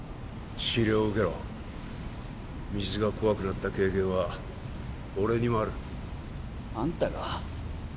治療を受けろ水が怖くなった経験は俺にもあるあんたが？